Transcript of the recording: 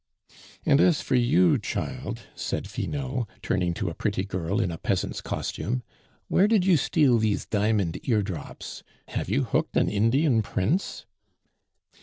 "And as for you, child," said Finot, turning to a pretty girl in a peasant's costume, "where did you steal these diamond ear drops? Have you hooked an Indian prince?"